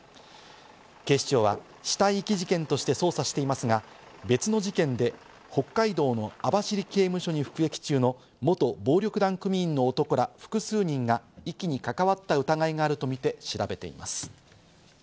警視庁は死体遺棄事件として捜査していますが、別の事件で北海道の網走刑務所に服役中の元暴力団組員の男ら複数人が遺棄に関わった疑いがあるとみて調べています。